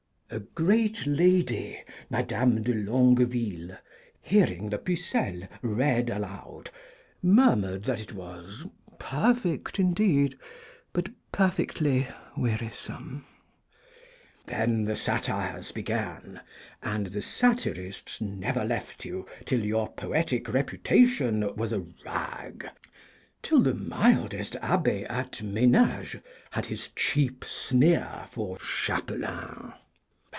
A great lady, Madame de Longveille, hearing the 'Pucellé read aloud, murmured that it was 'perfect indeed, but perfectly wearisome.' Then the satires began, and the satirists never left you till your poetic reputation was a rag, till the mildest Abbé at Ménagés had his cheap sneer for Chapelain.